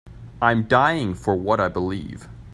I'm dying for what I believe.